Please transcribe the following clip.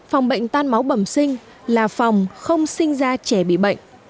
phòng bệnh tan máu bẩm sinh là phòng không sinh ra trẻ bị bệnh